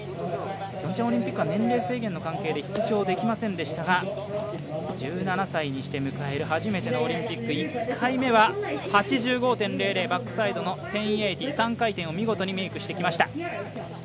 ピョンチャンオリンピックでは年齢制限の関係で出場できませんでしたが１７歳にして迎える初めてのオリンピック、１回目は８５．００バックサイド１０８０を見事にマークしてきました。